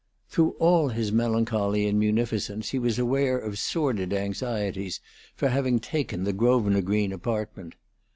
Through all his melancholy and munificence he was aware of sordid anxieties for having taken the Grosvenor Green apartment.